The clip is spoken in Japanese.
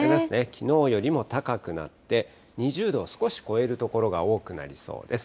きのうよりも高くなって、２０度を少し超える所が多くなりそうです。